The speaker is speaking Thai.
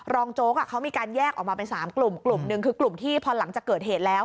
โจ๊กเขามีการแยกออกมาเป็น๓กลุ่มกลุ่มหนึ่งคือกลุ่มที่พอหลังจากเกิดเหตุแล้ว